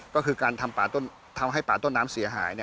ก็คือการทำป่าทำให้ป่าต้นน้ำเสียหาย